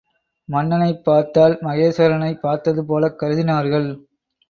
மன்னனைப் பார்த்தால் மகேஸ்வரனைப் பார்த்தது போலக் கருதினார்கள்.